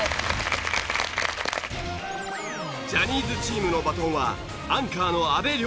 ジャニーズチームのバトンはアンカーの阿部亮平へ。